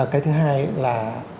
cái thứ hai là